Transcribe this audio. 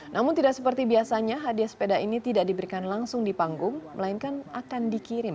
namun tidak seperti biasanya hadiah sepeda ini tidak diberikan langsung di panggung melainkan akan dikirim